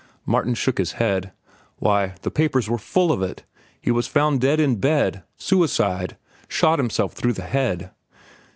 Martin shook his head. "Why, the papers were full of it. He was found dead in bed. Suicide. Shot himself through the head."